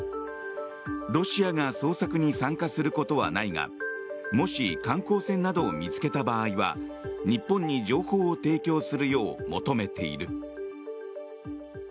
ロシアが捜索に参加することはないがもし観光船などを見つけた場合は日本に情報を提供するよう求めている。